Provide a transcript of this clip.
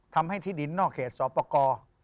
ทำให้ที่ดินนอกเขตสอปกร